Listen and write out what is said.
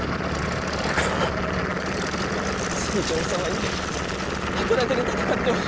成一郎さんは今や箱館で戦っておる。